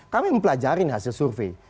kami mempelajari hasil survei